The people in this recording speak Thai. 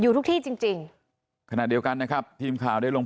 อยู่ทุกที่จริง